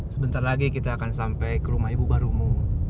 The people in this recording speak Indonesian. sebentar lagi kita akan sampai ke rumah ibu barumu